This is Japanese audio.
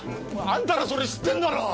あんたらそれ知ってんだろう！